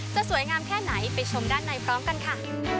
สวยงามแค่ไหนไปชมด้านในพร้อมกันค่ะ